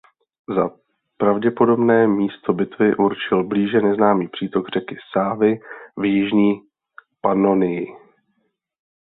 Za pravděpodobné místo bitvy určil blíže neznámý přítok řeky Sávy v jižní Panonii.